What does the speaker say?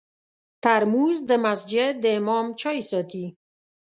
ترموز د مسجد د امام چای ساتي.